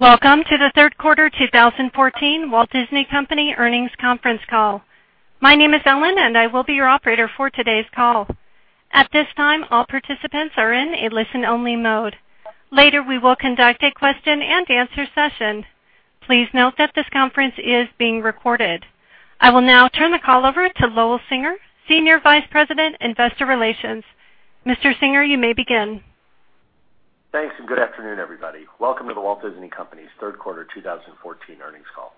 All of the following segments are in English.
Welcome to the third quarter 2014 The Walt Disney Company earnings conference call. My name is Ellen, and I will be your operator for today's call. At this time, all participants are in a listen-only mode. Later, we will conduct a question and answer session. Please note that this conference is being recorded. I will now turn the call over to Lowell Singer, Senior Vice President, Investor Relations. Mr. Singer, you may begin. Thanks, and good afternoon, everybody. Welcome to The Walt Disney Company's third quarter 2014 earnings call.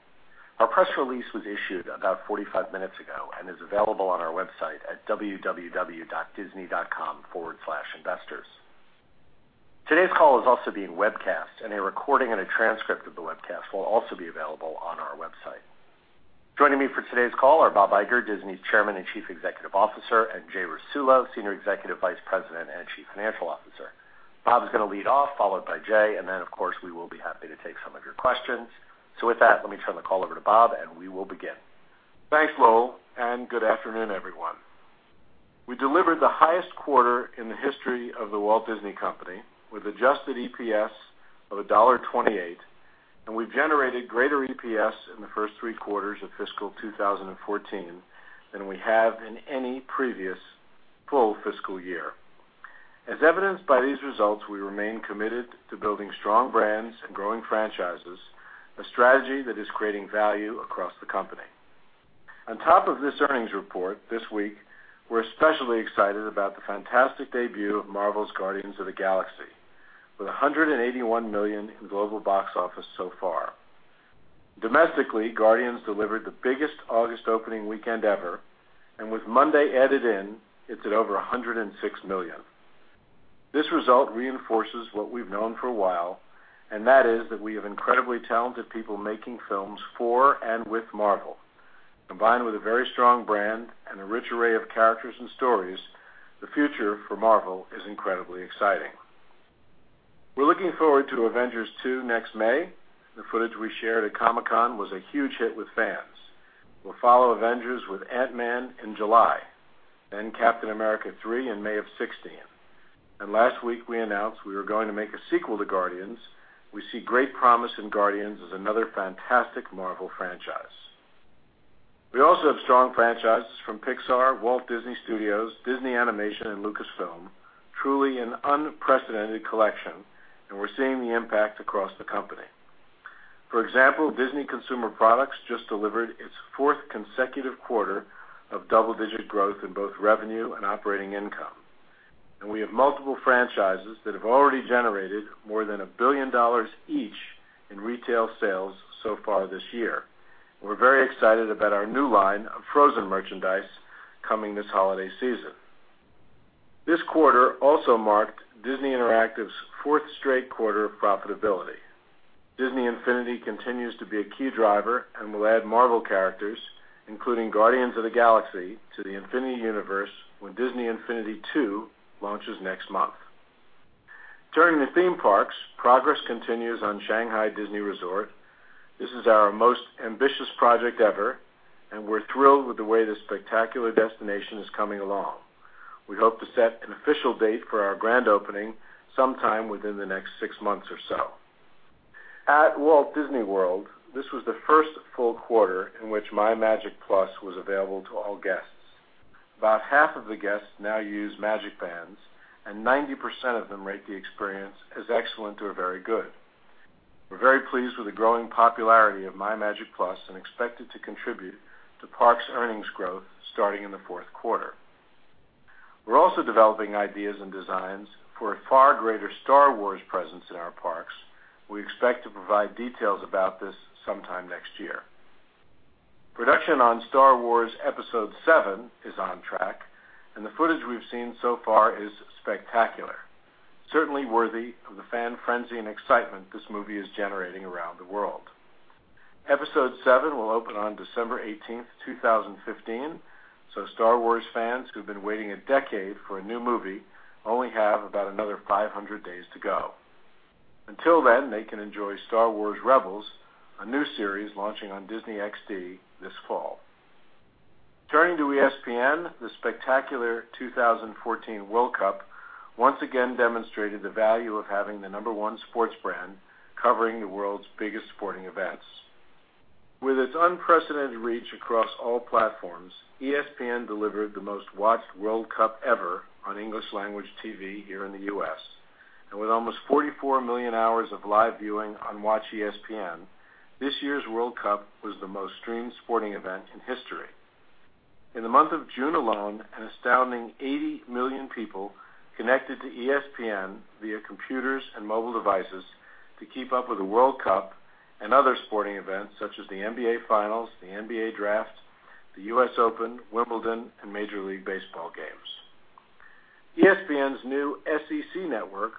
Our press release was issued about 45 minutes ago and is available on our website at www.disney.com/investors. Today's call is also being webcast, and a recording and a transcript of the webcast will also be available on our website. Joining me for today's call are Bob Iger, Disney's Chairman and Chief Executive Officer, and Jay Rasulo, Senior Executive Vice President and Chief Financial Officer. Bob's going to lead off, followed by Jay, and then, of course, we will be happy to take some of your questions. With that, let me turn the call over to Bob, and we will begin. Thanks, Lowell, and good afternoon, everyone. We delivered the highest quarter in the history of The Walt Disney Company with adjusted EPS of $1.28, and we've generated greater EPS in the first three quarters of fiscal 2014 than we have in any previous full fiscal year. As evidenced by these results, we remain committed to building strong brands and growing franchises, a strategy that is creating value across the company. On top of this earnings report this week, we're especially excited about the fantastic debut of Marvel's "Guardians of the Galaxy" with $181 million in global box office so far. Domestically, "Guardians" delivered the biggest August opening weekend ever, and with Monday added in, it's at over $106 million. This result reinforces what we've known for a while, and that is that we have incredibly talented people making films for and with Marvel. Combined with a very strong brand and a rich array of characters and stories, the future for Marvel is incredibly exciting. We're looking forward to "Avengers 2" next May. The footage we shared at Comic-Con was a huge hit with fans. We'll follow "Avengers" with "Ant-Man" in July, then "Captain America 3" in May of 2016. Last week, we announced we were going to make a sequel to "Guardians." We see great promise in "Guardians" as another fantastic Marvel franchise. We also have strong franchises from Pixar, The Walt Disney Studios, Disney Animation, and Lucasfilm, truly an unprecedented collection, and we're seeing the impact across the company. For example, Disney Consumer Products just delivered its fourth consecutive quarter of double-digit growth in both revenue and operating income. We have multiple franchises that have already generated more than $1 billion each in retail sales so far this year. We're very excited about our new line of "Frozen" merchandise coming this holiday season. This quarter also marked Disney Interactive's fourth straight quarter of profitability. Disney Infinity continues to be a key driver and will add Marvel characters, including Guardians of the Galaxy, to the Infinity universe when Disney Infinity 2 launches next month. Turning to theme parks, progress continues on Shanghai Disney Resort. This is our most ambitious project ever, and we're thrilled with the way this spectacular destination is coming along. We hope to set an official date for our grand opening sometime within the next six months or so. At Walt Disney World, this was the first full quarter in which MyMagic+ was available to all guests. About half of the guests now use MagicBands, and 90% of them rate the experience as excellent or very good. We're very pleased with the growing popularity of MyMagic+ and expect it to contribute to parks earnings growth starting in the fourth quarter. We're also developing ideas and designs for a far greater "Star Wars" presence in our parks. We expect to provide details about this sometime next year. Production on "Star Wars" Episode VII is on track, and the footage we've seen so far is spectacular, certainly worthy of the fan frenzy and excitement this movie is generating around the world. Episode VII will open on December 18th, 2015, so "Star Wars" fans who've been waiting a decade for a new movie only have about another 500 days to go. Until then, they can enjoy "Star Wars Rebels," a new series launching on Disney XD this fall. Turning to ESPN, the spectacular 2014 World Cup once again demonstrated the value of having the number one sports brand covering the world's biggest sporting events. With its unprecedented reach across all platforms, ESPN delivered the most-watched World Cup ever on English language TV here in the U.S., and with almost 44 million hours of live viewing on WatchESPN, this year's World Cup was the most-streamed sporting event in history. In the month of June alone, an astounding 80 million people connected to ESPN via computers and mobile devices to keep up with the World Cup and other sporting events such as the NBA Finals, the NBA Draft, the U.S. Open, Wimbledon, and Major League Baseball games. ESPN's new SEC Network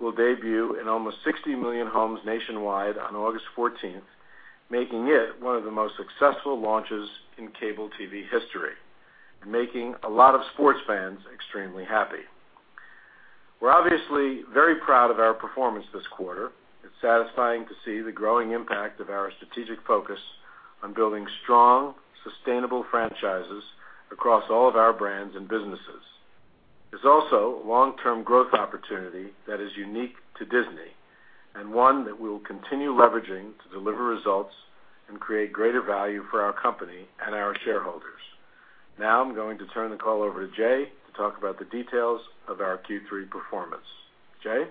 will debut in almost 60 million homes nationwide on August 14th, making it one of the most successful launches in cable TV history and making a lot of sports fans extremely happy. We're obviously very proud of our performance this quarter. It's satisfying to see the growing impact of our strategic focus on building strong, sustainable franchises across all of our brands and businesses. There's also a long-term growth opportunity that is unique to Disney, and one that we will continue leveraging to deliver results and create greater value for our company and our shareholders. Now I'm going to turn the call over to Jay to talk about the details of our Q3 performance. Jay?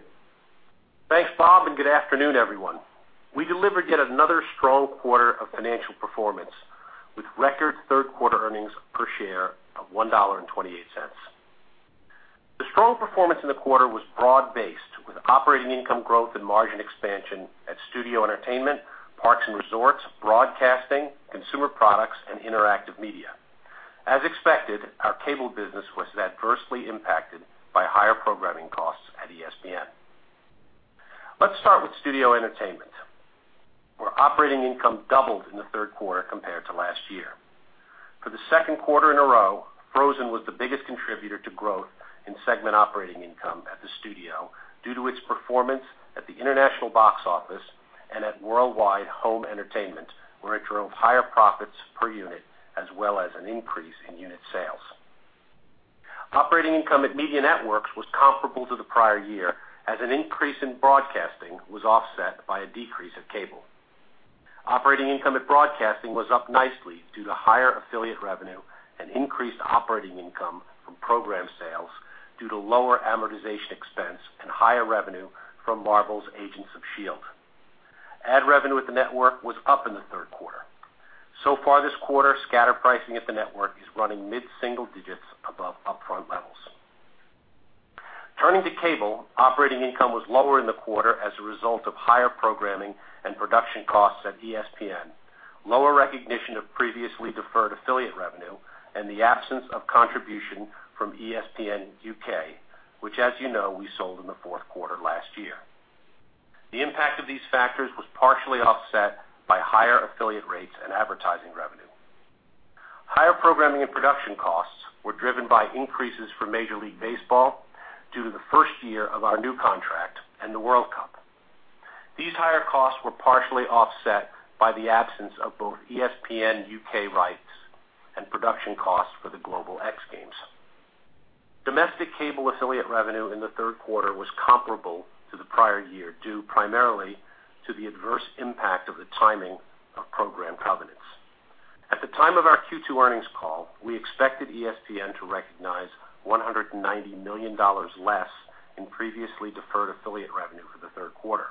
Thanks, Bob, and good afternoon, everyone. We delivered yet another strong quarter of financial performance, with record third-quarter earnings per share of $1.28. The strong performance in the quarter was broad-based, with operating income growth and margin expansion at Studio Entertainment, Parks and Resorts, Broadcasting, Consumer Products, and Interactive Media. As expected, our cable business was adversely impacted by higher programming costs at ESPN. Let's start with Studio Entertainment, where operating income doubled in the third quarter compared to last year. For the second quarter in a row, "Frozen" was the biggest contributor to growth in segment operating income at the studio due to its performance at the international box office and at worldwide home entertainment, where it drove higher profits per unit as well as an increase in unit sales. Operating income at Media Networks was comparable to the prior year, as an increase in Broadcasting was offset by a decrease at cable. Operating income at Broadcasting was up nicely due to higher affiliate revenue and increased operating income from program sales due to lower amortization expense and higher revenue from Marvel's "Agents of S.H.I.E.L.D." Ad revenue at the network was up in the third quarter. So far this quarter, scatter pricing at the network is running mid-single digits above upfront levels. Turning to cable, operating income was lower in the quarter as a result of higher programming and production costs at ESPN, lower recognition of previously deferred affiliate revenue, and the absence of contribution from ESPN UK, which as you know, we sold in the fourth quarter last year. The impact of these factors was partially offset by higher affiliate rates and advertising revenue. Higher programming and production costs were driven by increases for Major League Baseball due to the first year of our new contract and the World Cup. These higher costs were partially offset by the absence of both ESPN UK rights and production costs for the Global X Games. Domestic cable affiliate revenue in the third quarter was comparable to the prior year due primarily to the adverse impact of the timing of program covenants. At the time of our Q2 earnings call, we expected ESPN to recognize $190 million less in previously deferred affiliate revenue for the third quarter.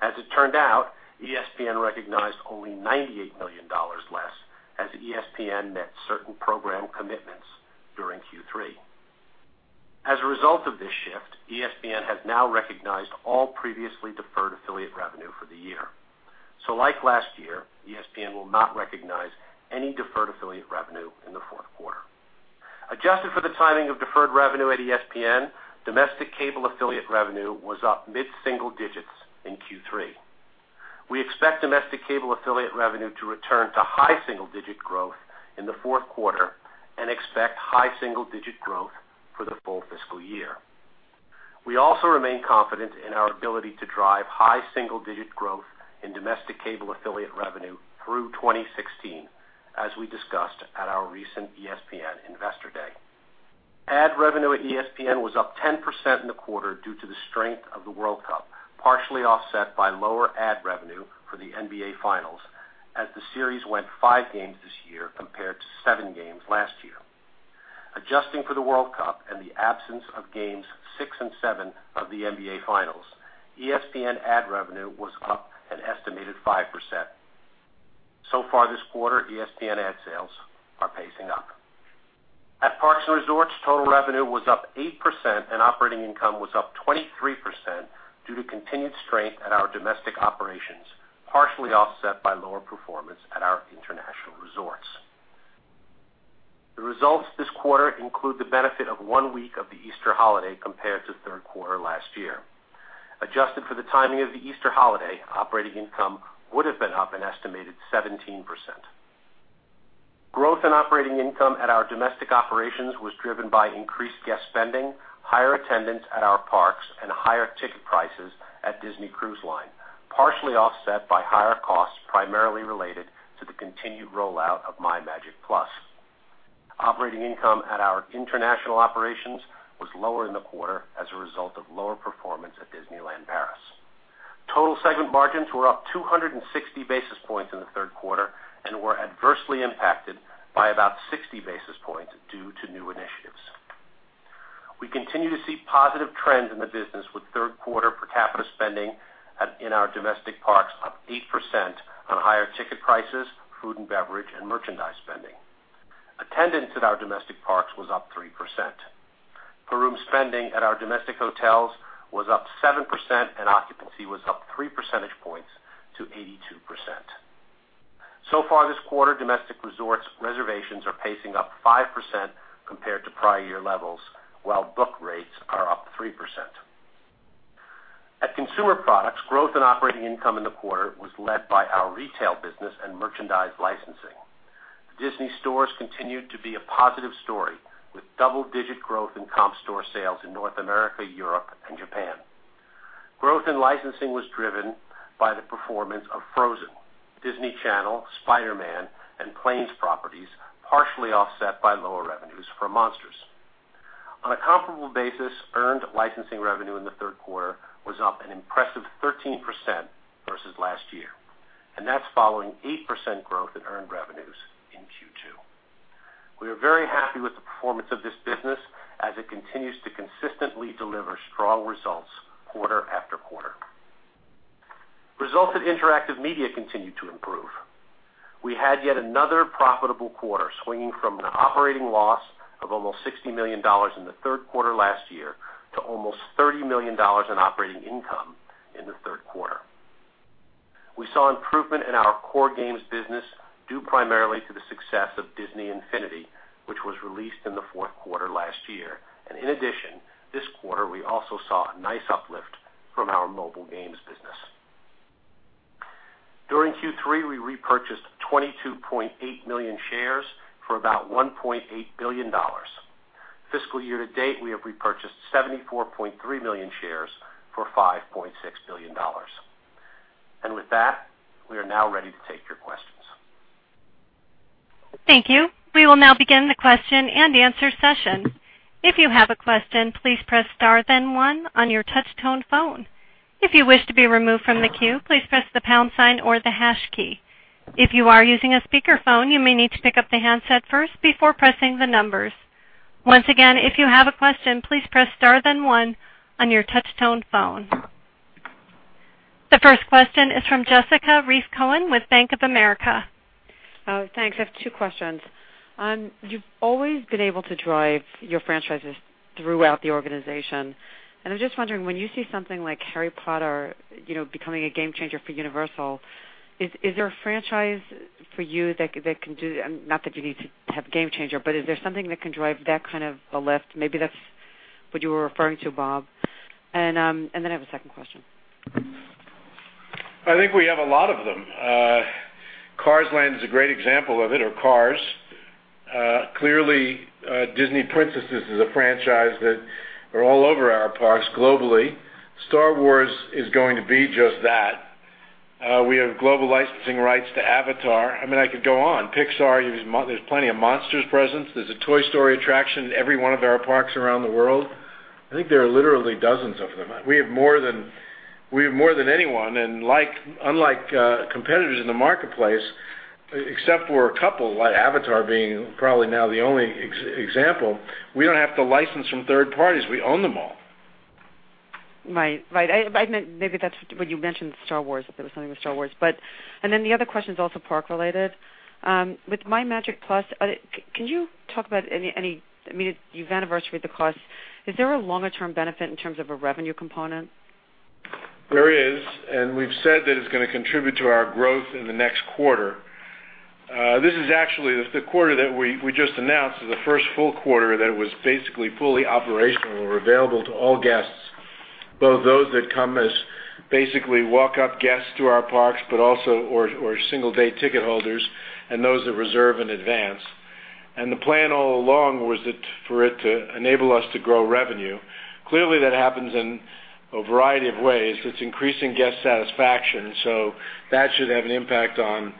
As it turned out, ESPN recognized only $98 million less as ESPN met certain program commitments during Q3. As a result of this shift, ESPN has now recognized all previously deferred affiliate revenue for the year. Like last year, ESPN will not recognize any deferred affiliate revenue in the fourth quarter. Adjusted for the timing of deferred revenue at ESPN, domestic cable affiliate revenue was up mid-single digits in Q3. We expect domestic cable affiliate revenue to return to high single-digit growth in the fourth quarter and expect high single-digit growth for the full fiscal year. We also remain confident in our ability to drive high single-digit growth in domestic cable affiliate revenue through 2016, as we discussed at our recent ESPN Investor Day. Ad revenue at ESPN was up 10% in the quarter due to the strength of the World Cup, partially offset by lower ad revenue for the NBA Finals as the series went five games this year compared to seven games last year. Adjusting for the World Cup and the absence of games six and seven of the NBA Finals, ESPN ad revenue was up an estimated 5%. So far this quarter, ESPN ad sales are pacing up. At Parks and Resorts, total revenue was up 8% and operating income was up 23% due to continued strength at our domestic operations, partially offset by lower performance at our international resorts. The results this quarter include the benefit of one week of the Easter holiday compared to the third quarter last year. Adjusted for the timing of the Easter holiday, operating income would have been up an estimated 17%. Growth and operating income at our domestic operations was driven by increased guest spending, higher attendance at our parks, and higher ticket prices at Disney Cruise Line, partially offset by higher costs primarily related to the continued rollout of MyMagic+. Operating income at our international operations was lower in the quarter as a result of lower performance at Disneyland Paris. Total segment margins were up 260 basis points in the third quarter and were adversely impacted by about 60 basis points due to new initiatives. We continue to see positive trends in the business, with third-quarter per capita spending in our domestic parks up 8% on higher ticket prices, food and beverage, and merchandise spending. Attendance at our domestic parks was up 3%. Per-room spending at our domestic hotels was up 7%, and occupancy was up three percentage points to 82%. So far this quarter, domestic resorts reservations are pacing up 5% compared to prior year levels, while book rates are up 3%. At Consumer Products, growth and operating income in the quarter was led by our retail business and merchandise licensing. Disney Stores continued to be a positive story, with double-digit growth in comp store sales in North America, Europe, and Japan. Growth in licensing was driven by the performance of Frozen, Disney Channel, Spider-Man, and Planes properties, partially offset by lower revenues from Monsters. On a comparable basis, earned licensing revenue in the third quarter was up an impressive 13% versus last year, and that's following 8% growth in earned revenues in Q2. We are very happy with the performance of this business as it continues to consistently deliver strong results quarter after quarter. Results at Interactive Media continue to improve. We had yet another profitable quarter, swinging from an operating loss of almost $60 million in the third quarter last year to almost $30 million in operating income in the third quarter. We saw improvement in our core games business due primarily to the success of Disney Infinity, which was released in the fourth quarter last year. In addition, this quarter, we also saw a nice uplift from our mobile games business. During Q3, we repurchased 22.8 million shares for about $1.8 billion. Fiscal year-to-date, we have repurchased 74.3 million shares for $5.6 billion. With that, we are now ready to take your questions. Thank you. We will now begin the question-and-answer session. If you have a question, please press star then one on your touch-tone phone. If you wish to be removed from the queue, please press the pound sign or the hash key. If you are using a speakerphone, you may need to pick up the handset first before pressing the numbers. Once again, if you have a question, please press star then one on your touch-tone phone. The first question is from Jessica Reif Cohen with Bank of America. Thanks. I have two questions. You've always been able to drive your franchises throughout the organization. I'm just wondering, when you see something like Harry Potter becoming a game changer for Universal, is there a franchise for you that can do Not that you need to have game changer, but is there something that can drive that kind of a lift? Maybe that's what you were referring to, Bob. I have a second question. I think we have a lot of them. Cars Land is a great example of it, or Cars. Clearly, Disney Princess is a franchise that are all over our parks globally. Star Wars is going to be just that. We have global licensing rights to Avatar. I could go on. Pixar, there's plenty of Monsters presence. There's a Toy Story attraction in every one of our parks around the world. I think there are literally dozens of them. We have more than anyone, and unlike competitors in the marketplace, except for a couple, like Avatar being probably now the only example, we don't have to license from third parties. We own them all. Right. Maybe that's what you mentioned Star Wars, if there was something with Star Wars. The other question is also park related. With MyMagic+, can you talk about, you've anniversary-ed the cost. Is there a longer-term benefit in terms of a revenue component? We've said that it's going to contribute to our growth in the next quarter. This is actually, the quarter that we just announced is the first full quarter that it was basically fully operational or available to all guests, both those that come as basically walk-up guests to our parks, or single-day ticket holders and those that reserve in advance. The plan all along was for it to enable us to grow revenue. Clearly, that happens in a variety of ways. It's increasing guest satisfaction, so that should have an impact on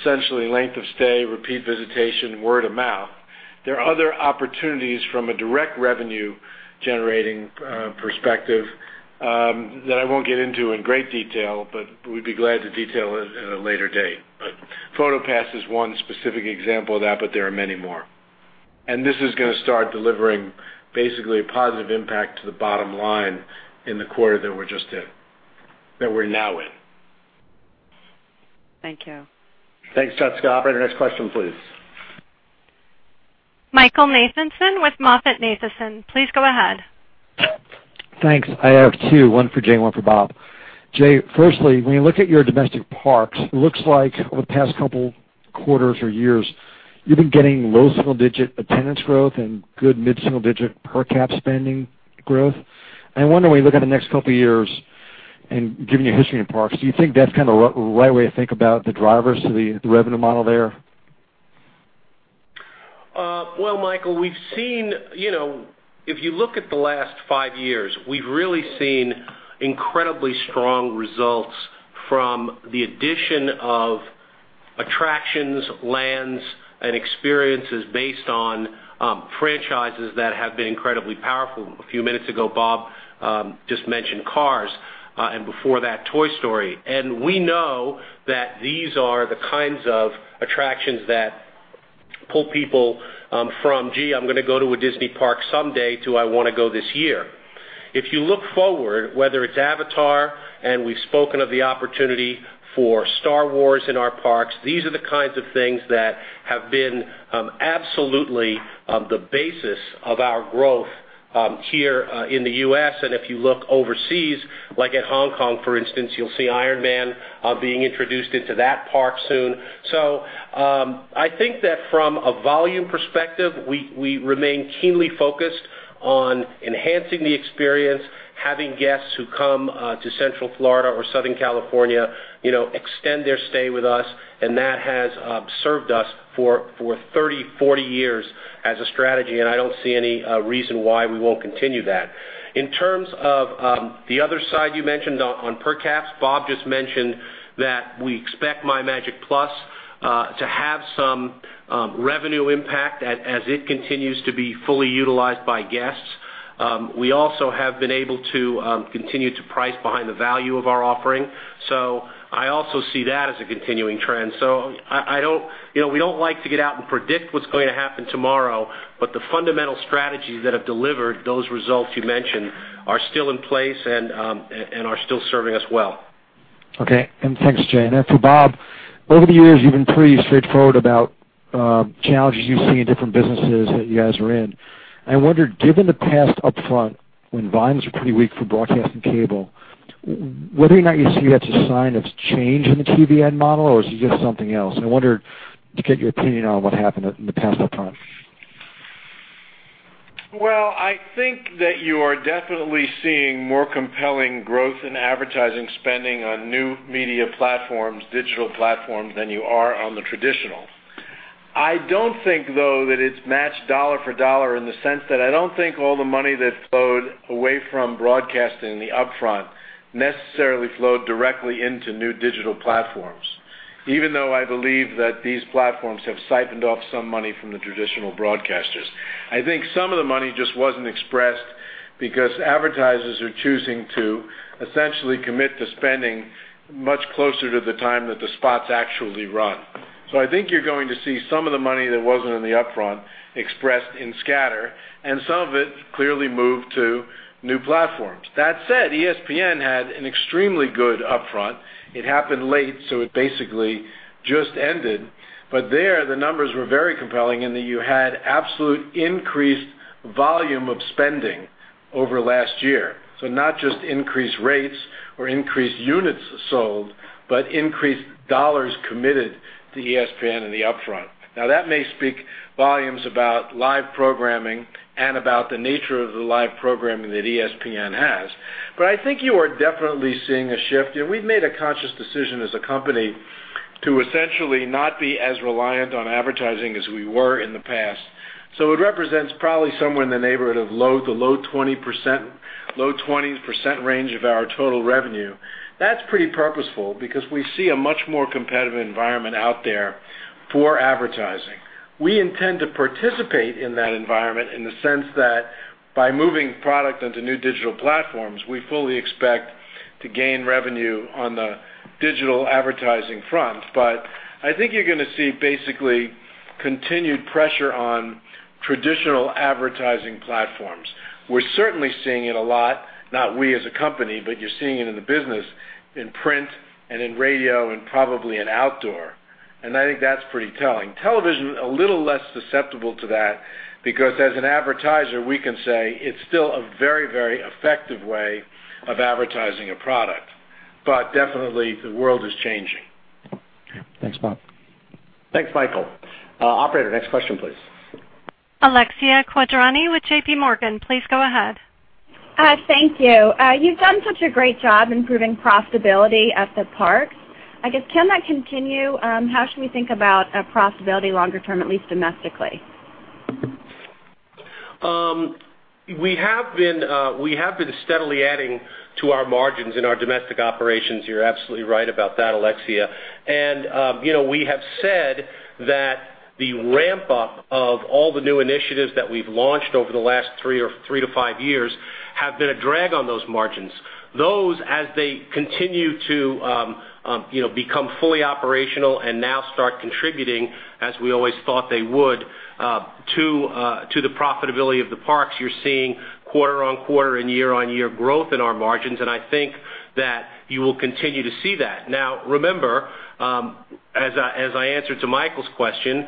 essentially length of stay, repeat visitation, word of mouth. There are other opportunities from a direct revenue-generating perspective that I won't get into in great detail, but we'd be glad to detail it at a later date. PhotoPass is one specific example of that, but there are many more. This is going to start delivering basically a positive impact to the bottom line in the quarter that we're now in. Thank you. Thanks, Jessica. Operator, next question, please. Michael Nathanson with MoffettNathanson. Please go ahead. Thanks. I have two, one for Jay, one for Bob. Jay, firstly, when you look at your domestic parks, it looks like over the past couple quarters or years, you've been getting low single-digit attendance growth and good mid-single digit per cap spending growth. I wonder, when you look at the next couple of years and given your history in parks, do you think that's kind of the right way to think about the drivers to the revenue model there? Well, Michael, if you look at the last five years, we've really seen incredibly strong results from the addition of attractions, lands, and experiences based on franchises that have been incredibly powerful. A few minutes ago, Bob just mentioned Cars, and before that Toy Story. We know that these are the kinds of attractions that pull people from, "Gee, I'm going to go to a Disney park someday," to, "I want to go this year." If you look forward, whether it's Avatar, and we've spoken of the opportunity for Star Wars in our parks, these are the kinds of things that have been absolutely the basis of our growth here in the U.S. If you look overseas, like at Hong Kong, for instance, you'll see Iron Man being introduced into that park soon. I think that from a volume perspective, we remain keenly focused on enhancing the experience, having guests who come to Central Florida or Southern California extend their stay with us, and that has served us for 30, 40 years as a strategy, and I don't see any reason why we won't continue that. In terms of the other side you mentioned on per caps, Bob just mentioned that we expect MyMagic+ to have some revenue impact as it continues to be fully utilized by guests. We also have been able to continue to price behind the value of our offering. I also see that as a continuing trend. We don't like to get out and predict what's going to happen tomorrow, but the fundamental strategies that have delivered those results you mentioned are still in place and are still serving us well. Thanks, Jay. For Bob, over the years, you've been pretty straightforward about challenges you see in different businesses that you guys are in. I wonder, given the past upfront, when volumes were pretty weak for broadcast and cable, whether or not you see that's a sign of change in the TV ad model, or is it just something else? I wonder to get your opinion on what happened in the past upfront. Well, I think that you are definitely seeing more compelling growth in advertising spending on new media platforms, digital platforms, than you are on the traditional. I don't think, though, that it's matched dollar for dollar in the sense that I don't think all the money that flowed away from broadcasting in the upfront necessarily flowed directly into new digital platforms, even though I believe that these platforms have siphoned off some money from the traditional broadcasters. I think some of the money just wasn't expressed because advertisers are choosing to essentially commit to spending much closer to the time that the spots actually run. I think you're going to see some of the money that wasn't in the upfront expressed in scatter, and some of it clearly moved to new platforms. That said, ESPN had an extremely good upfront. It happened late, so it basically just ended. There, the numbers were very compelling in that you had absolute increased volume of spending over last year. Not just increased rates or increased units sold, but increased dollars committed to ESPN in the upfront. That may speak volumes about live programming and about the nature of the live programming that ESPN has. I think you are definitely seeing a shift. We've made a conscious decision as a company to essentially not be as reliant on advertising as we were in the past. It represents probably somewhere in the neighborhood of the low 20% range of our total revenue. That's pretty purposeful because we see a much more competitive environment out there for advertising. We intend to participate in that environment in the sense that by moving product into new digital platforms, we fully expect to gain revenue on the digital advertising front. I think you're going to see basically continued pressure on traditional advertising platforms. We're certainly seeing it a lot, not we as a company, but you're seeing it in the business in print and in radio and probably in outdoor. I think that's pretty telling. Television, a little less susceptible to that because as an advertiser, we can say it's still a very effective way of advertising a product. Definitely the world is changing. Okay. Thanks, Bob. Thanks, Michael. Operator, next question, please. Alexia Quadrani with JPMorgan, please go ahead. Thank you. You've done such a great job improving profitability at the parks. I guess, can that continue? How should we think about profitability longer term, at least domestically? We have been steadily adding to our margins in our domestic operations. You're absolutely right about that, Alexia. We have said that the ramp-up of all the new initiatives that we've launched over the last three to five years have been a drag on those margins. Those, as they continue to become fully operational and now start contributing as we always thought they would to the profitability of the parks, you're seeing quarter-on-quarter and year-on-year growth in our margins, and I think that you will continue to see that. Remember, as I answered to Michael's question,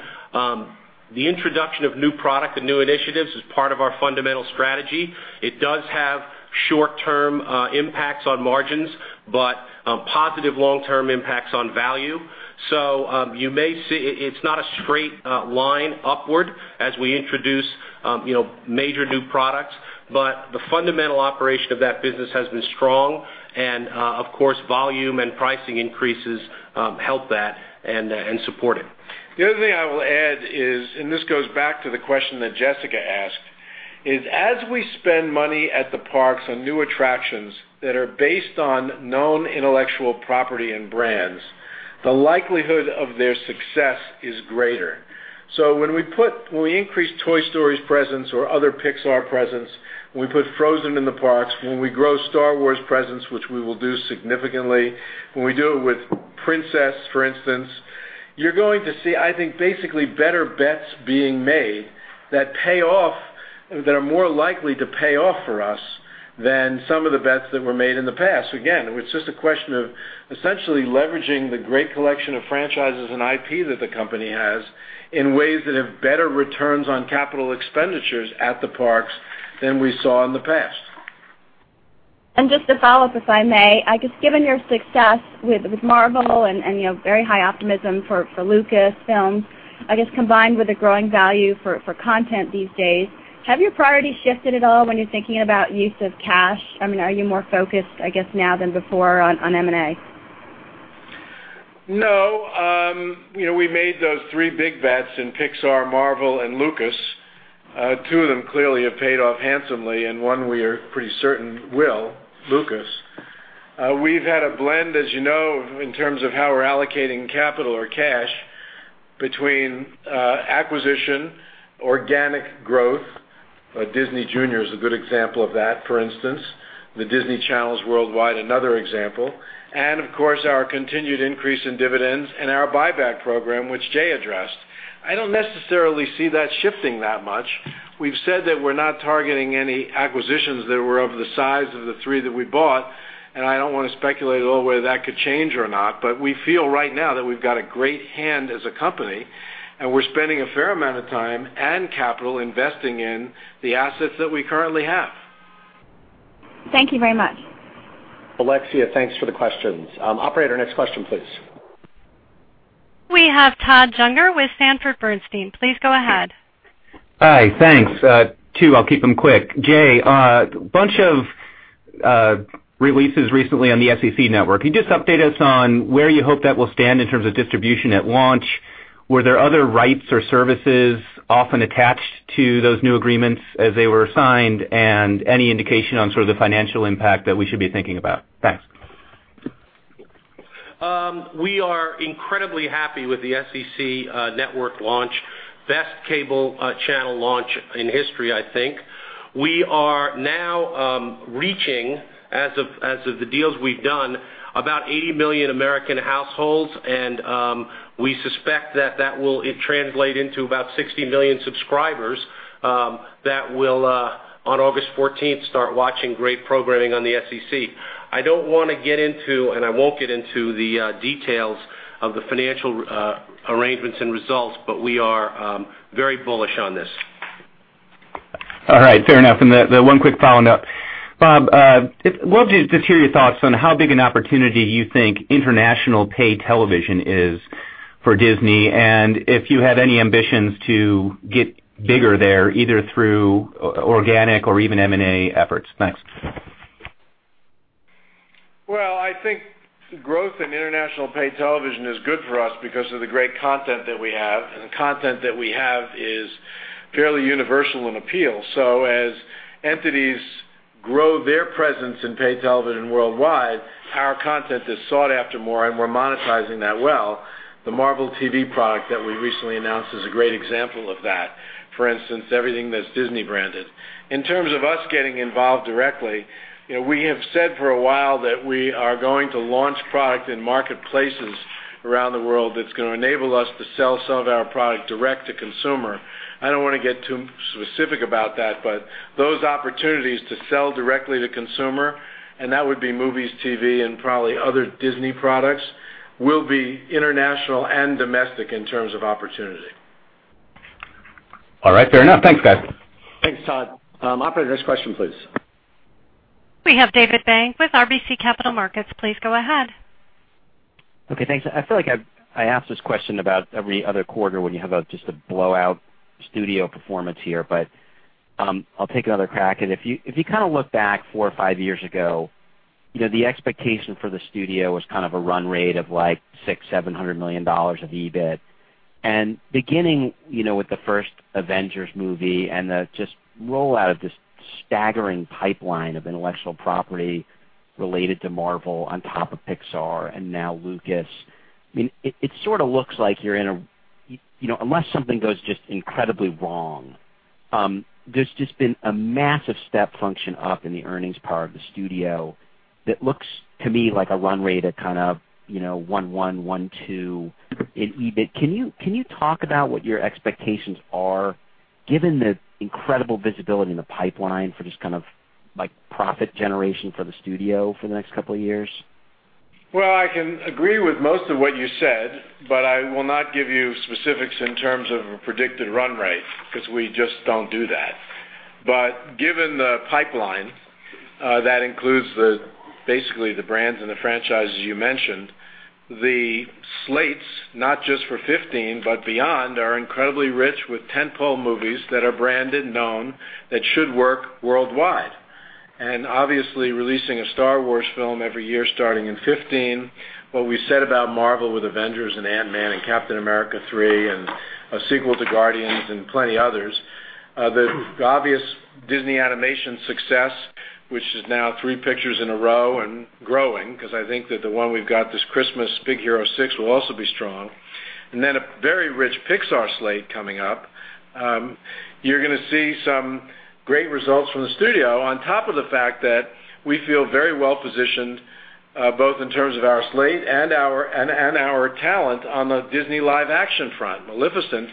the introduction of new product and new initiatives is part of our fundamental strategy. It does have short-term impacts on margins, but positive long-term impacts on value. You may see it's not a straight line upward as we introduce major new products, but the fundamental operation of that business has been strong, and of course, volume and pricing increases help that and support it. The other thing I will add is, this goes back to the question that Jessica asked, is as we spend money at the parks on new attractions that are based on known intellectual property and brands, the likelihood of their success is greater. When we increase Toy Story's presence or other Pixar presence, when we put Frozen in the parks, when we grow Star Wars presence, which we will do significantly, when we do it with Princess, for instance, you're going to see, I think, basically better bets being made that are more likely to pay off for us than some of the bets that were made in the past. It's just a question of essentially leveraging the great collection of franchises and IP that the company has in ways that have better returns on capital expenditures at the parks than we saw in the past. Just to follow up, if I may, I guess given your success with Marvel and very high optimism for Lucasfilm, I guess combined with the growing value for content these days, have your priorities shifted at all when you're thinking about use of cash? Are you more focused, I guess, now than before on M&A? No. We made those three big bets in Pixar, Marvel and Lucas. Two of them clearly have paid off handsomely, and one we are pretty certain will, Lucas. We've had a blend, as you know, in terms of how we're allocating capital or cash between acquisition, organic growth, Disney Junior is a good example of that, for instance. The Disney Channel's worldwide another example. Of course, our continued increase in dividends and our buyback program, which Jay addressed. I don't necessarily see that shifting that much. We've said that we're not targeting any acquisitions that were of the size of the three that we bought. I don't want to speculate at all whether that could change or not. We feel right now that we've got a great hand as a company. We're spending a fair amount of time and capital investing in the assets that we currently have. Thank you very much. Alexia, thanks for the questions. Operator, next question, please. We have Todd Juenger with Sanford Bernstein. Please go ahead. Hi, thanks. Two, I'll keep them quick. Jay, a bunch of releases recently on the SEC Network. Can you just update us on where you hope that will stand in terms of distribution at launch? Were there other rights or services often attached to those new agreements as they were signed? Any indication on sort of the financial impact that we should be thinking about? Thanks. We are incredibly happy with the SEC Network launch. Best cable channel launch in history, I think. We are now reaching, as of the deals we've done, about 80 million American households, and we suspect that that will translate into about 60 million subscribers that will, on August 14th, start watching great programming on the SEC. I won't get into the details of the financial arrangements and results, we are very bullish on this. All right, fair enough. One quick follow-up. Bob, love to just hear your thoughts on how big an opportunity you think international paid television is for Disney, if you have any ambitions to get bigger there, either through organic or even M&A efforts. Thanks. I think growth in international paid television is good for us because of the great content that we have. The content that we have is fairly universal in appeal. As entities grow their presence in paid television worldwide, our content is sought after more, and we're monetizing that well. The Marvel TV product that we recently announced is a great example of that. For instance, everything that's Disney branded. In terms of us getting involved directly, we have said for a while that we are going to launch product in marketplaces around the world that's going to enable us to sell some of our product direct to consumer. I don't want to get too specific about that, but those opportunities to sell directly to consumer, and that would be movies, TV, and probably other Disney products, will be international and domestic in terms of opportunity. All right, fair enough. Thanks, guys. Thanks, Todd. Operator, next question, please. We have David Bank with RBC Capital Markets. Please go ahead. Okay, thanks. I feel like I ask this question about every other quarter when you have just a blowout studio performance here, but I'll take another crack at it. If you look back four or five years ago, the expectation for the studio was a run rate of like $600 million-$700 million of EBIT. Beginning with the first Avengers movie and the just rollout of this staggering pipeline of intellectual property related to Marvel on top of Pixar and now Lucas, it sort of looks like unless something goes just incredibly wrong, there's just been a massive step function up in the earnings power of the studio that looks to me like a run rate at kind of $1.1 billion-$1.2 billion in EBIT. Can you talk about what your expectations are given the incredible visibility in the pipeline for just profit generation for the studio for the next couple of years? I can agree with most of what you said, I will not give you specifics in terms of a predicted run rate because we just don't do that. Given the pipeline that includes basically the brands and the franchises you mentioned, the slates, not just for 2015 but beyond, are incredibly rich with tent-pole movies that are branded and known that should work worldwide. Obviously, releasing a Star Wars film every year starting in 2015. What we said about Marvel with Avengers and Ant-Man and Captain America 3 and a sequel to Guardians and plenty others. The obvious Disney Animation success, which is now three pictures in a row and growing because I think that the one we've got this Christmas, Big Hero 6, will also be strong. A very rich Pixar slate coming up. You're going to see some great results from the studio on top of the fact that we feel very well-positioned both in terms of our slate and our talent on the Disney live-action front. Maleficent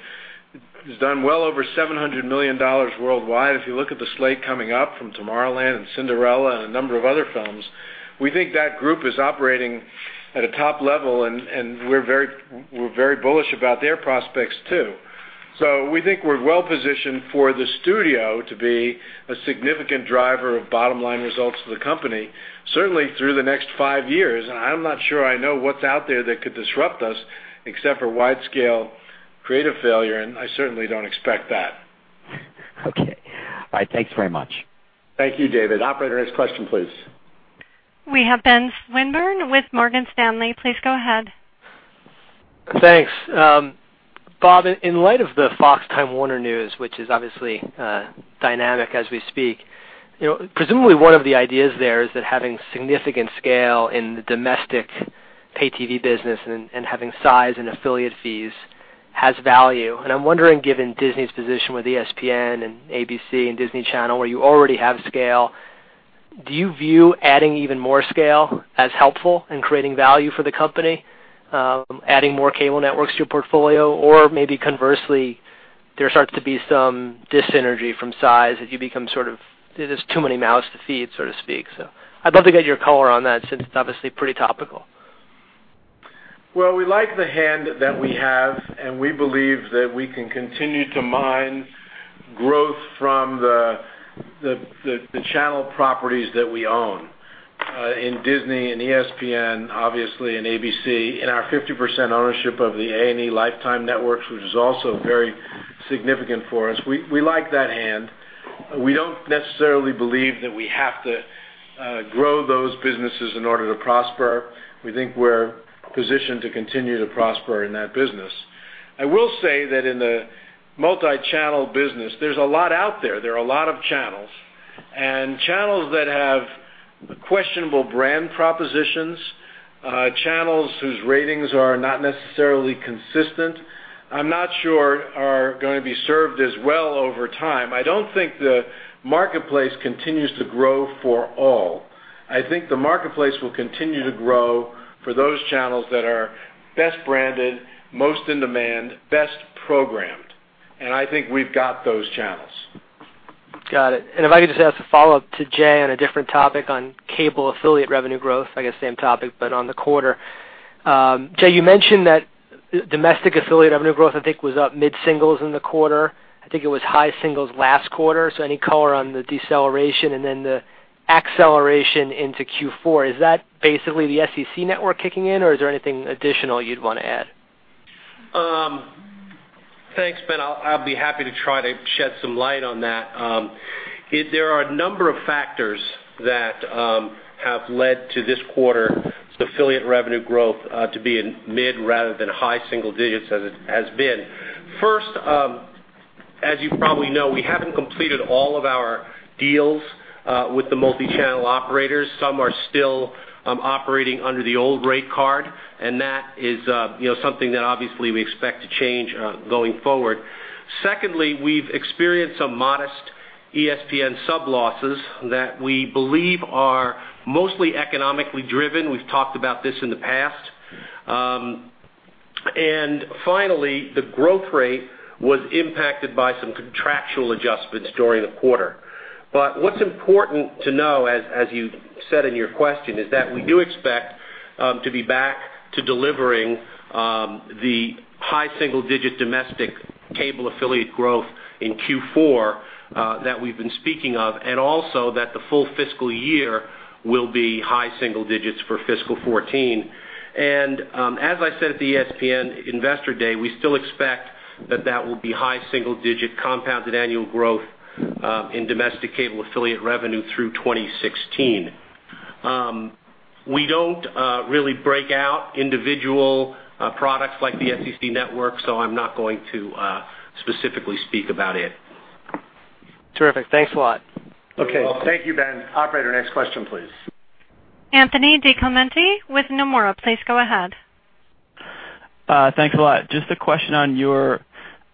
has done well over $700 million worldwide. If you look at the slate coming up from Tomorrowland and Cinderella and a number of other films, we think that group is operating at a top level, and we're very bullish about their prospects too. We think we're well-positioned for the studio to be a significant driver of bottom-line results for the company, certainly through the next five years. I'm not sure I know what's out there that could disrupt us except for wide-scale creative failure, and I certainly don't expect that. Okay. All right, thanks very much. Thank you, David. Operator, next question, please. We have Ben Swinburne with Morgan Stanley. Please go ahead. Thanks. Bob, in light of the Fox Time Warner news, which is obviously dynamic as we speak, presumably one of the ideas there is that having significant scale in the domestic pay TV business and having size and affiliate fees has value. I'm wondering, given Disney's position with ESPN and ABC and Disney Channel, where you already have scale, do you view adding even more scale as helpful in creating value for the company? Adding more cable networks to your portfolio? Maybe conversely, there starts to be some dis-energy from size as you become sort of, there's too many mouths to feed, so to speak. I'd love to get your color on that, since it's obviously pretty topical. Well, we like the hand that we have, and we believe that we can continue to mine growth from the channel properties that we own, in Disney, in ESPN, obviously, and ABC, and our 50% ownership of the A&E Lifetime networks, which is also very significant for us. We like that hand. We don't necessarily believe that we have to grow those businesses in order to prosper. We think we're positioned to continue to prosper in that business. I will say that in the multi-channel business, there's a lot out there. There are a lot of channels, and channels that have questionable brand propositions, channels whose ratings are not necessarily consistent, I'm not sure are going to be served as well over time. I don't think the marketplace continues to grow for all. I think the marketplace will continue to grow for those channels that are best branded, most in demand, best programmed. I think we've got those channels. Got it. If I could just ask a follow-up to Jay on a different topic on cable affiliate revenue growth. I guess same topic, but on the quarter. Jay, you mentioned that domestic affiliate revenue growth, I think, was up mid-singles in the quarter. I think it was high-singles last quarter. Any color on the deceleration and then the acceleration into Q4, is that basically the SEC Network kicking in or is there anything additional you'd want to add? Thanks, Ben. I'll be happy to try to shed some light on that. There are a number of factors that have led to this quarter's affiliate revenue growth to be in mid rather than high-single digits as it has been. First, as you probably know, we haven't completed all of our deals with the multi-channel operators. Some are still operating under the old rate card, and that is something that obviously we expect to change going forward. Secondly, we've experienced some modest ESPN sub-losses that we believe are mostly economically driven. We've talked about this in the past. Finally, the growth rate was impacted by some contractual adjustments during the quarter. What's important to know, as you said in your question, is that we do expect to be back to delivering the high single-digit domestic cable affiliate growth in Q4 that we've been speaking of, and also that the full fiscal year will be high single digits for fiscal 2014. As I said at the ESPN Investor Day, we still expect that that will be high single-digit compounded annual growth in domestic cable affiliate revenue through 2016. We don't really break out individual products like the SEC Network, I'm not going to specifically speak about it. Terrific. Thanks a lot. Okay. Thank you, Ben. Operator, next question, please. Anthony DiClemente with Nomura, please go ahead. Thanks a lot. Just a question on your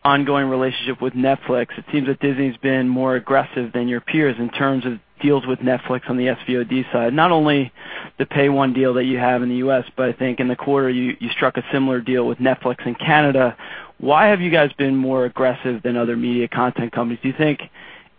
ongoing relationship with Netflix. It seems that Disney's been more aggressive than your peers in terms of deals with Netflix on the SVOD side. Not only the pay one deal that you have in the U.S., but I think in the quarter you struck a similar deal with Netflix in Canada. Why have you guys been more aggressive than other media content companies? Do you think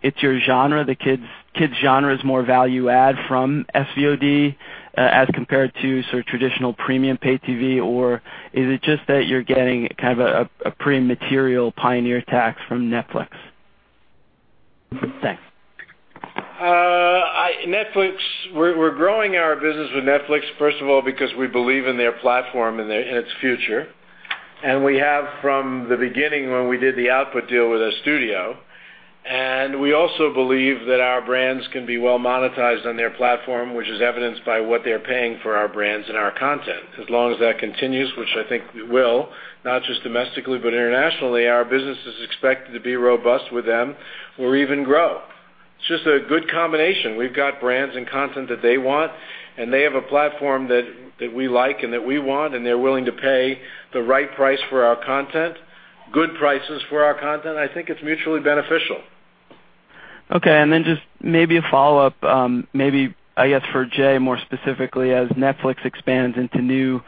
it's your genre? The kids' genre is more value add from SVOD as compared to sort of traditional premium pay TV, or is it just that you're getting kind of a premium pioneer tax from Netflix? Thanks. Netflix. We're growing our business with Netflix, first of all, because we believe in their platform and its future. We have from the beginning when we did the output deal with our studio. We also believe that our brands can be well monetized on their platform, which is evidenced by what they're paying for our brands and our content. As long as that continues, which I think it will, not just domestically but internationally, our business is expected to be robust with them or even grow. It's just a good combination. We've got brands and content that they want, and they have a platform that we like and that we want, and they're willing to pay the right price for our content, good prices for our content. I think it's mutually beneficial. Okay, just maybe a follow-up, maybe, I guess for Jay, more specifically, as Netflix expands into new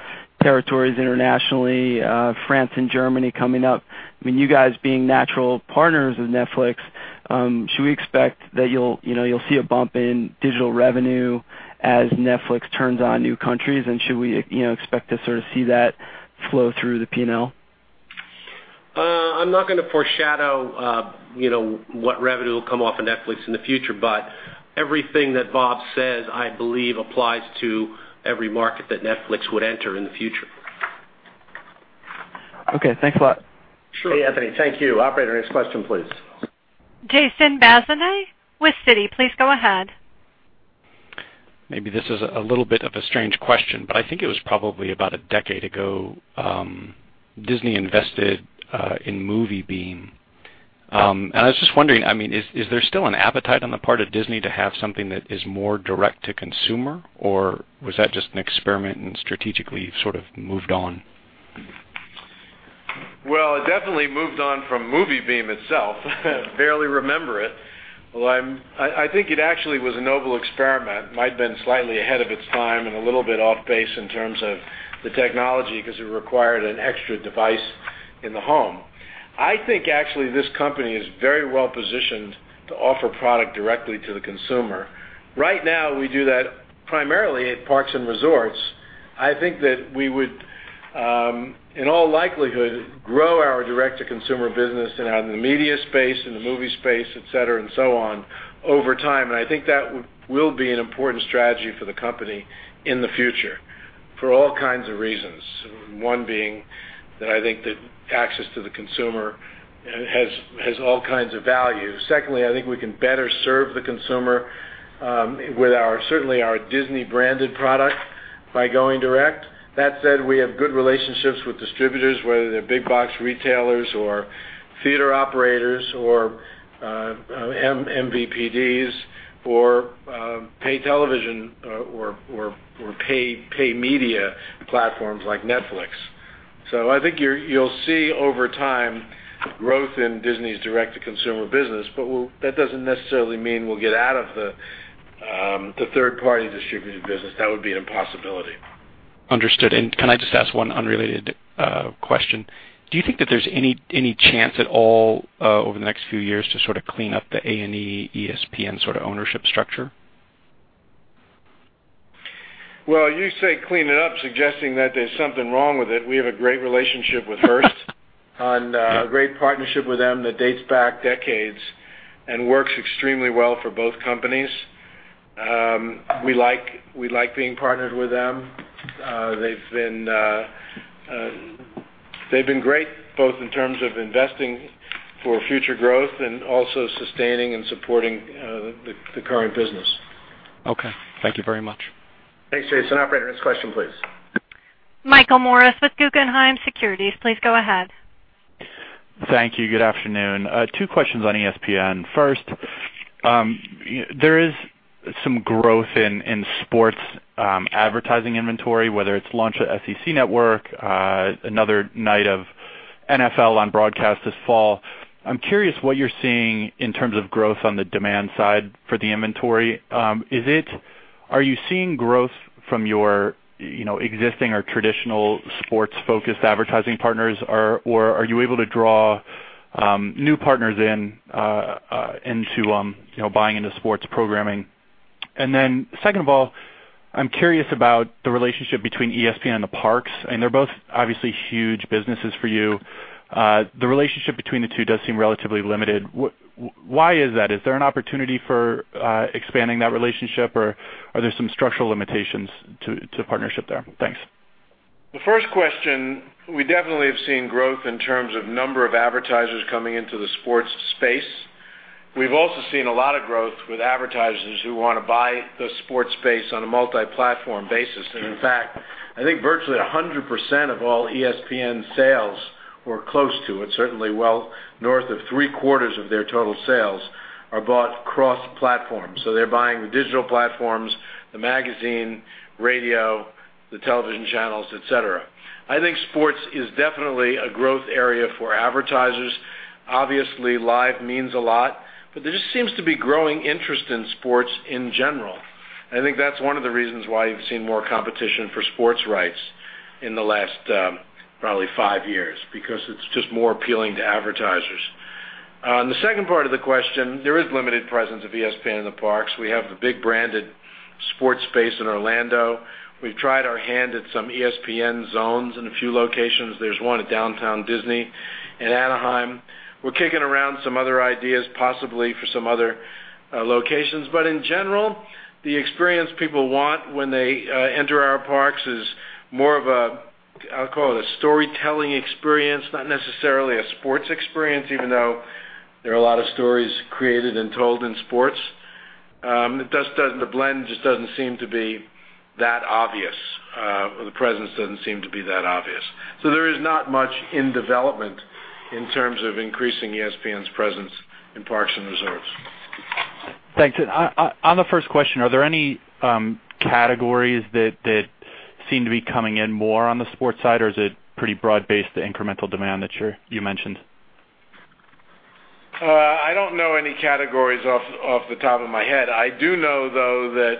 territories internationally, France and Germany coming up. You guys being natural partners with Netflix, should we expect that you'll see a bump in digital revenue as Netflix turns on new countries? Should we expect to sort of see that flow through the P&L? I'm not going to foreshadow what revenue will come off of Netflix in the future. Everything that Bob says, I believe applies to every market that Netflix would enter in the future. Okay, thanks a lot. Sure. Hey, Anthony. Thank you. Operator, next question, please. Jason Bazinet with Citi. Please go ahead. Maybe this is a little bit of a strange question, but I think it was probably about a decade ago, Disney invested in MovieBeam. I was just wondering, is there still an appetite on the part of Disney to have something that is more direct to consumer? Was that just an experiment and strategically you've sort of moved on? Well, it definitely moved on from MovieBeam itself. Barely remember it. Although I think it actually was a noble experiment, might've been slightly ahead of its time and a little bit off base in terms of the technology, because it required an extra device in the home. I think actually this company is very well positioned to offer product directly to the consumer. Right now, we do that primarily at Parks and Resorts. I think that we would, in all likelihood, grow our direct-to-consumer business and out in the media space, in the movie space, et cetera, and so on over time. I think that will be an important strategy for the company in the future for all kinds of reasons. One being that I think that access to the consumer has all kinds of value. Secondly, I think we can better serve the consumer, with certainly our Disney-branded product, by going direct. That said, we have good relationships with distributors, whether they're big box retailers or theater operators or MVPDs or pay television or pay media platforms like Netflix. I think you'll see over time, growth in Disney's direct-to-consumer business, but that doesn't necessarily mean we'll get out of the third-party distribution business. That would be an impossibility. Understood. Can I just ask one unrelated question? Do you think that there's any chance at all over the next few years to sort of clean up the A&E ESPN sort of ownership structure? Well, you say clean it up suggesting that there's something wrong with it. We have a great relationship with Hearst and a great partnership with them that dates back decades and works extremely well for both companies. We like being partnered with them. They've been great, both in terms of investing for future growth and also sustaining and supporting the current business. Okay. Thank you very much. Thanks, Jason. Operator, next question, please. Michael Morris with Guggenheim Securities. Please go ahead. Thank you. Good afternoon. Two questions on ESPN. First, there is some growth in sports advertising inventory, whether it's launch of SEC Network, another night of NFL on broadcast this fall. I'm curious what you're seeing in terms of growth on the demand side for the inventory. Are you seeing growth from your existing or traditional sports-focused advertising partners, or are you able to draw new partners into buying into sports programming? Then second of all, I'm curious about the relationship between ESPN and the Parks, and they're both obviously huge businesses for you. The relationship between the two does seem relatively limited. Why is that? Is there an opportunity for expanding that relationship, or are there some structural limitations to partnership there? Thanks. The first question, we definitely have seen growth in terms of number of advertisers coming into the sports space. We've also seen a lot of growth with advertisers who want to buy the sports space on a multi-platform basis, and in fact, I think virtually 100% of all ESPN sales or close to it, certainly well north of three-quarters of their total sales, are bought cross-platform. They're buying the digital platforms, the magazine, radio, the television channels, et cetera. I think sports is definitely a growth area for advertisers. Obviously, live means a lot, but there just seems to be growing interest in sports in general. I think that's one of the reasons why you've seen more competition for sports rights in the last probably five years, because it's just more appealing to advertisers. On the second part of the question, there is limited presence of ESPN in the parks. We have the big branded sports space in Orlando. We've tried our hand at some ESPN Zone in a few locations. There's one at Downtown Disney in Anaheim. We're kicking around some other ideas, possibly for some other locations. In general, the experience people want when they enter our parks is more of a, I'll call it a storytelling experience, not necessarily a sports experience, even though there are a lot of stories created and told in sports. The blend just doesn't seem to be that obvious, or the presence doesn't seem to be that obvious. There is not much in development in terms of increasing ESPN's presence in Parks and Resorts. Thanks. On the first question, are there any categories that seem to be coming in more on the sports side, or is it pretty broad-based, the incremental demand that you mentioned? I don't know any categories off the top of my head. I do know, though, that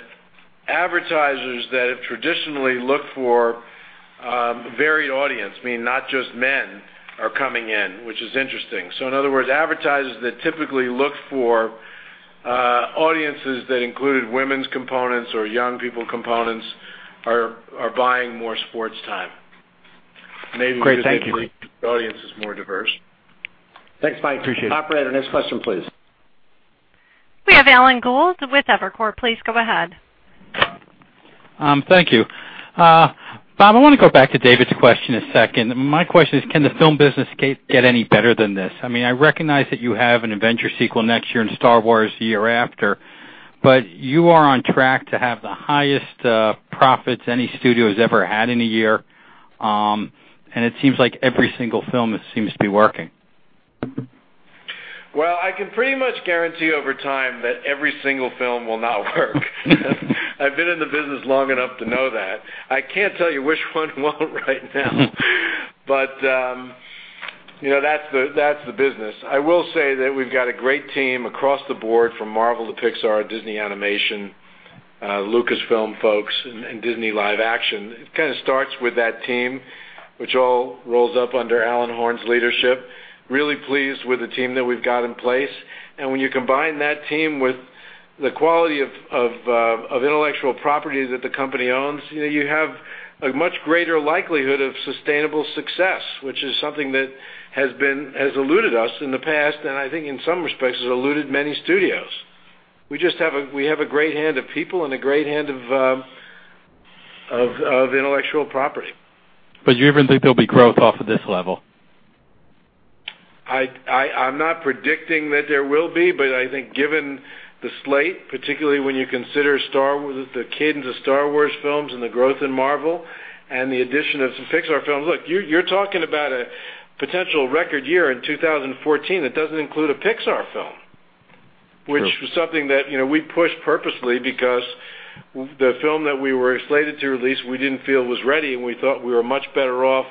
advertisers that have traditionally looked for a varied audience, meaning not just men, are coming in, which is interesting. In other words, advertisers that typically look for audiences that include women's components or young people components are buying more sports time. Great. Thank you. Maybe it's because the audience is more diverse. Thanks, Mike. Appreciate it. Operator, next question, please. We have Alan Gould with Evercore. Please go ahead. Thank you. Bob, I want to go back to David's question a second. My question is, can the film business get any better than this? I recognize that you have an adventure sequel next year and Star Wars the year after, but you are on track to have the highest profits any studio has ever had in a year. It seems like every single film seems to be working. Well, I can pretty much guarantee over time that every single film will not work. I've been in the business long enough to know that. I can't tell you which one won't right now, but that's the business. I will say that we've got a great team across the board, from Marvel to Pixar, Disney Animation, Lucasfilm folks, and Disney live action. It kind of starts with that team, which all rolls up under Alan Horn's leadership, really pleased with the team that we've got in place. When you combine that team with the quality of intellectual property that the company owns, you have a much greater likelihood of sustainable success, which is something that has eluded us in the past, and I think in some respects has eluded many studios. We have a great head of people and a great head of intellectual property. Do you really think there'll be growth off of this level? I'm not predicting that there will be, but I think given the slate, particularly when you consider the cadence of "Star Wars" films and the growth in Marvel and the addition of some Pixar films, look, you're talking about a potential record year in 2014 that doesn't include a Pixar film. Sure. Which was something that we pushed purposely because the film that we were slated to release we didn't feel was ready, and we thought we were much better off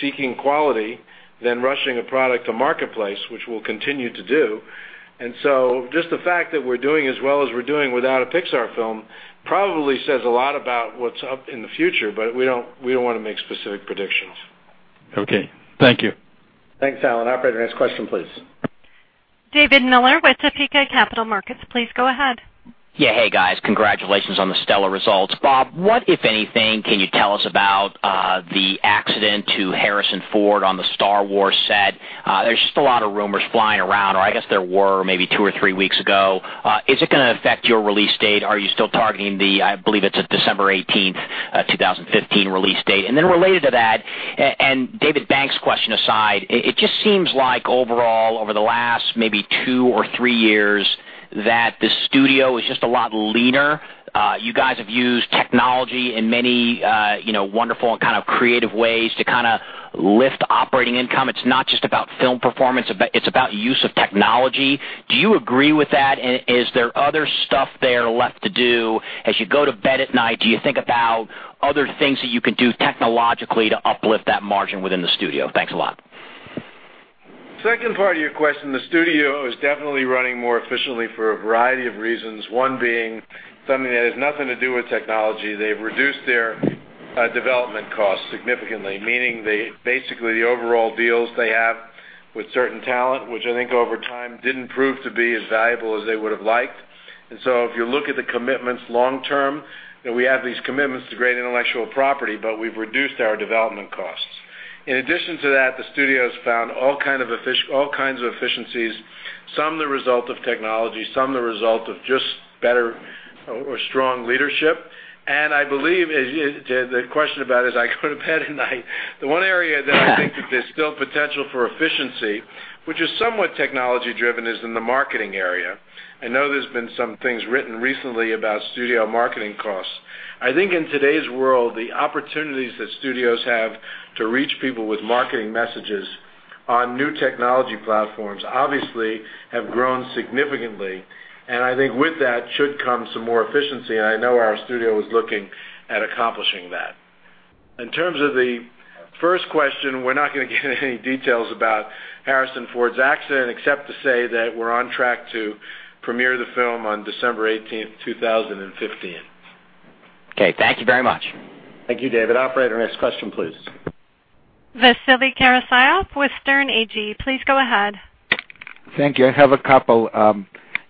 seeking quality than rushing a product to marketplace, which we'll continue to do. Just the fact that we're doing as well as we're doing without a Pixar film probably says a lot about what's up in the future, but we don't want to make specific predictions. Okay. Thank you. Thanks, Alan. Operator, next question, please. David Miller with Topeka Capital Markets, please go ahead. Yeah. Hey, guys. Congratulations on the stellar results. Bob, what, if anything, can you tell us about the accident to Harrison Ford on the Star Wars set? There's just a lot of rumors flying around, or I guess there were maybe two or three weeks ago. Is it going to affect your release date? Are you still targeting the, I believe it's a December 18th, 2015 release date? Then related to that, and David Bank's question aside, it just seems like overall over the last maybe two or three years that the studio is just a lot leaner. You guys have used technology in many wonderful and creative ways to lift operating income. It's not just about film performance, it's about use of technology. Do you agree with that? Is there other stuff there left to do? As you go to bed at night, do you think about other things that you can do technologically to uplift that margin within the studio? Thanks a lot. Second part of your question, the studio is definitely running more efficiently for a variety of reasons. One being something that has nothing to do with technology. They've reduced their development costs significantly, meaning basically the overall deals they have with certain talent, which I think over time didn't prove to be as valuable as they would've liked. So if you look at the commitments long term, we have these commitments to great intellectual property, but we've reduced our development costs. In addition to that, the studio's found all kinds of efficiencies, some the result of technology, some the result of just better or strong leadership. I believe the question about, as I go to bed at night, the one area that I think that there's still potential for efficiency, which is somewhat technology-driven, is in the marketing area. I know there's been some things written recently about studio marketing costs. I think in today's world, the opportunities that studios have to reach people with marketing messages on new technology platforms obviously have grown significantly. I think with that should come some more efficiency, and I know our studio is looking at accomplishing that. In terms of the first question, we're not going to give any details about Harrison Ford's accident except to say that we're on track to premiere the film on December 18th, 2015. Okay. Thank you very much. Thank you, David. Operator, next question, please. Vasily Karasyov with Sterne Agee. Please go ahead. Thank you. I have a couple.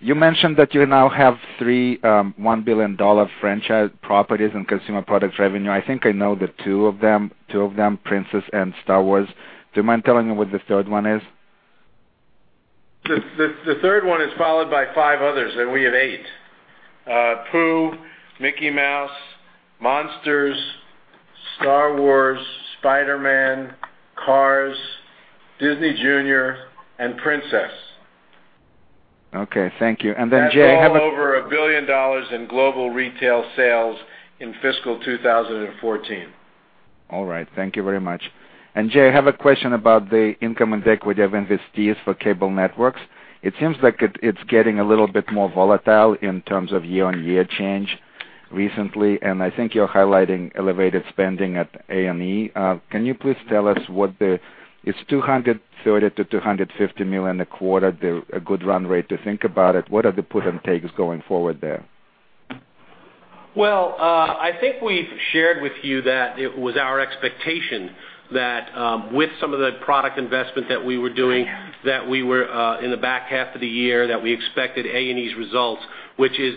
You mentioned that you now have three $1 billion franchise properties in Consumer Products revenue. I think I know two of them, Princess and Star Wars. Do you mind telling me what the third one is? The third one is followed by five others, and we have eight. Pooh, Mickey Mouse, Monsters, Star Wars, Spider-Man, Cars, Disney Junior, and Princess. Okay, thank you. Jay, That's all over a $1 billion in global retail sales in fiscal 2014. Thank you very much. Jay, I have a question about the income and equity of investees for cable networks. It seems like it's getting a little bit more volatile in terms of year-on-year change recently, and I think you're highlighting elevated spending at A&E. Can you please tell us, it's $230 million to $250 million a quarter, a good run rate to think about it. What are the put and takes going forward there? Well, I think we've shared with you that it was our expectation that with some of the product investment that we were doing, that we were in the back half of the year, that we expected A&E's results, which is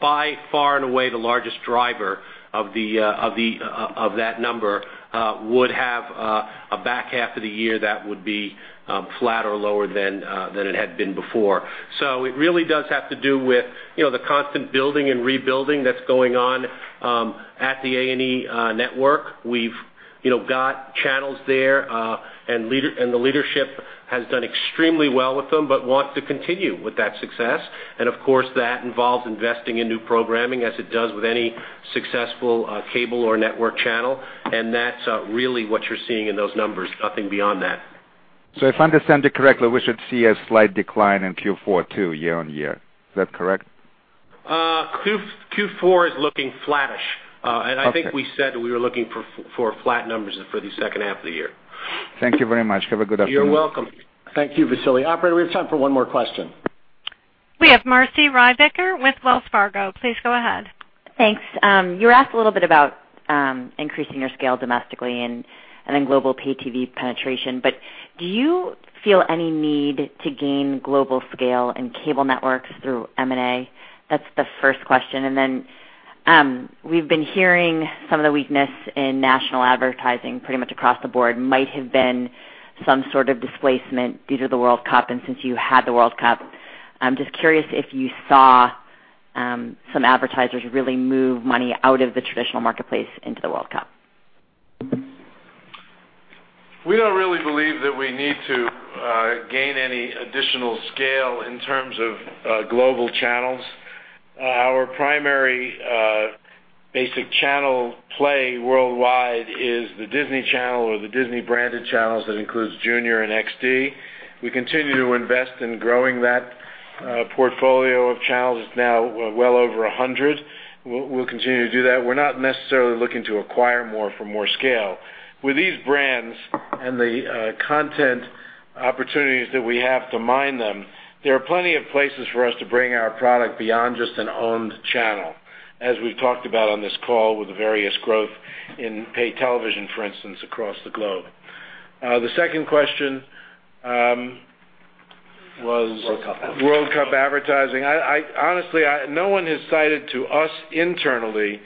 by far and away the largest driver of that number would have a back half of the year that would be flat or lower than it had been before. It really does have to do with the constant building and rebuilding that's going on at the A&E network. We've got channels there and the leadership has done extremely well with them, but want to continue with that success. Of course, that involves investing in new programming as it does with any successful cable or network channel. That's really what you're seeing in those numbers. Nothing beyond that. If I understand it correctly, we should see a slight decline in Q4 too year-on-year. Is that correct? Q4 is looking flattish. Okay. I think we said we were looking for flat numbers for the second half of the year. Thank you very much. Have a good afternoon. You're welcome. Thank you, Vasily. Operator, we have time for one more question. We have Marci Ryvicker with Wells Fargo. Please go ahead. Thanks. You were asked a little bit about increasing your scale domestically and then global Pay-TV penetration. Do you feel any need to gain global scale and cable networks through M&A? That's the first question. We've been hearing some of the weakness in national advertising pretty much across the board might have been some sort of displacement due to the World Cup. Since you had the World Cup, I'm just curious if you saw some advertisers really move money out of the traditional marketplace into the World Cup. We don't really believe that we need to gain any additional scale in terms of global channels. Our primary basic channel play worldwide is the Disney Channel or the Disney branded channels that includes Junior and XD. We continue to invest in growing that portfolio of channels. It's now well over 100. We'll continue to do that. We're not necessarily looking to acquire more for more scale. With these brands and the content opportunities that we have to mine them, there are plenty of places for us to bring our product beyond just an owned channel, as we've talked about on this call with the various growth in pay television, for instance, across the globe. The second question was. World Cup advertising. World Cup advertising. Honestly, no one has cited to us internally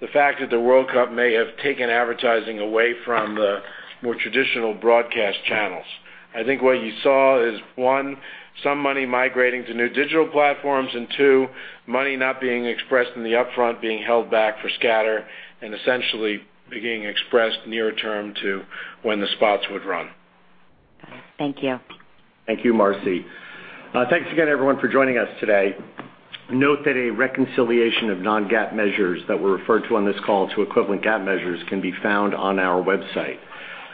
the fact that the World Cup may have taken advertising away from the more traditional broadcast channels. I think what you saw is, one, some money migrating to new digital platforms and two, money not being expressed in the upfront, being held back for scatter and essentially being expressed near term to when the spots would run. Got it. Thank you. Thank you, Marci. Thanks again, everyone, for joining us today. Note that a reconciliation of non-GAAP measures that were referred to on this call to equivalent GAAP measures can be found on our website.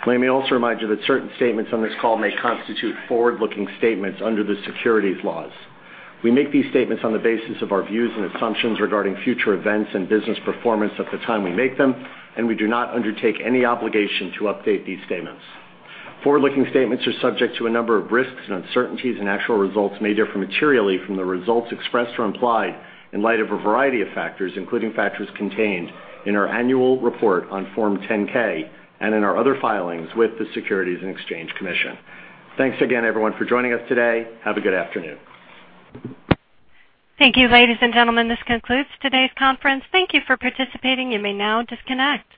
Let me also remind you that certain statements on this call may constitute forward-looking statements under the securities laws. We make these statements on the basis of our views and assumptions regarding future events and business performance at the time we make them. We do not undertake any obligation to update these statements. Forward-looking statements are subject to a number of risks and uncertainties. Actual results may differ materially from the results expressed or implied in light of a variety of factors, including factors contained in our annual report on Form 10-K and in our other filings with the Securities and Exchange Commission. Thanks again, everyone, for joining us today. Have a good afternoon. Thank you, ladies and gentlemen. This concludes today's conference. Thank you for participating. You may now disconnect.